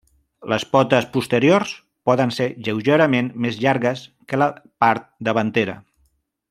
Les potes posteriors poden ser lleugerament més llargues que la part davantera.